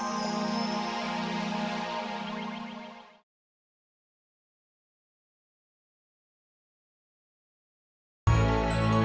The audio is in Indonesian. ini adalah cincin mendiang mama kamu